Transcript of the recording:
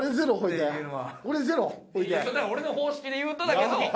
俺の方式で言うとだけど。